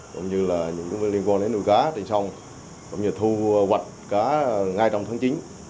cũng như là những liên quan đến nuôi cá trên sông cũng như thu hoạch cá ngay trong tháng chín